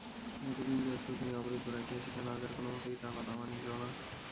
এতদিন যে অশ্রু তিনি অবরুদ্ধ রাখিয়াছিলেন আজ আর কোনোমতেই তাহা বাধা মানিল না।